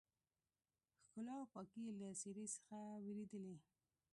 ښکلا او پاکي يې له څېرې څخه ورېدلې.